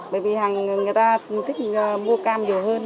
bởi vì người ta thích mua cam nhiều hơn